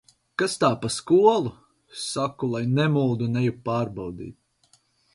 Kas tā par skolu! Saku, lai nemuld, un eju pārbaudīt.